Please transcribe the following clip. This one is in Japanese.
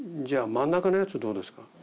じゃあ真ん中のやつどうですか？